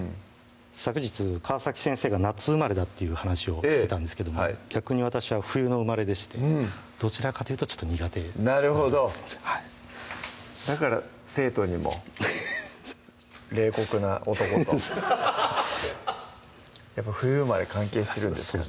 昨日川先生が夏生まれだっていう話をしてたんですけども逆に私は冬の生まれでしてどちらかというとちょっと苦手なるほどだから生徒にもフッ冷酷な男とやっぱ冬生まれ関係してるんですかね